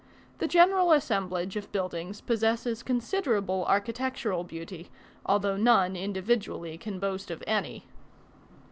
The general assemblage of buildings possesses considerable architectural beauty, although none individually can boast of any.